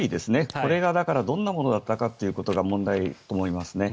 これがどんなものだったのかということが問題だと思いますね。